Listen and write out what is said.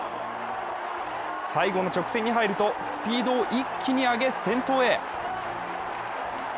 最後の直線に入ると、スピードを一気に上げ、先頭へ。